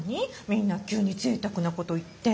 みんな急にぜいたくなこと言って。